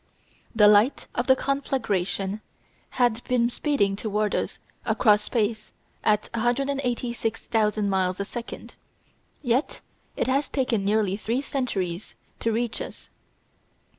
The light of the conflagration had been speeding toward us across space at 186,000 miles a second, yet it has taken nearly three centuries to reach us.